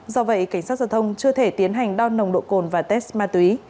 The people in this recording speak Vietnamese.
do vậy cảnh sát giao thông chưa thể tiến hành đo nồng độ cồn và test ma túy